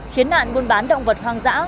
khiến nạn buôn bán động vật hoang dã